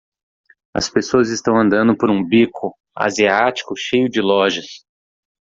As pessoas estão andando por um beco asiático cheio de lojas.